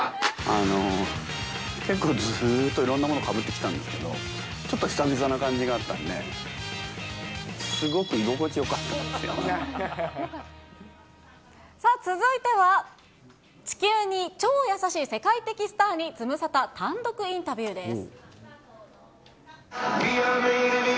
あの、結構ずっといろんなものかぶってきたんですけど、ちょっと久々な感じがあったんで、さあ続いては、地球に超優しい世界的スターに、ズムサタ、単独インタビューです。